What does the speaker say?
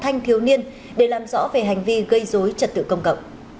thanh thiếu niên để làm rõ về hành vi gây dối trật tự công cộng